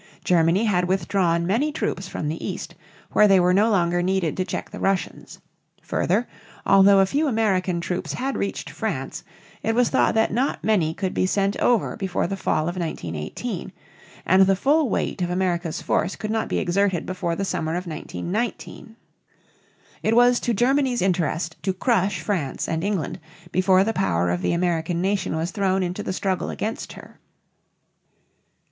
Germany had withdrawn many troops from the east, where they were no longer needed to check the Russians. Further, although a few American troops had reached France, it was thought that not many could be sent over before the fall of 1918, and the full weight of America's force could not be exerted before the summer of 1919. It was to Germany's interest to crush France and England before the power of the American nation was thrown into the struggle against her.